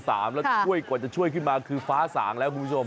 แล้วช่วยกว่าจะช่วยขึ้นมาคือฟ้าสางแล้วคุณผู้ชม